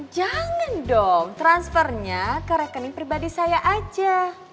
jangan dong transfernya ke rekening pribadi saya aja